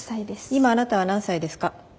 今あなたは何歳ですか？